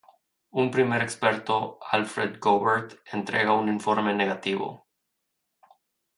Un primer experto, Alfred Gobert, entrega un informe negativo.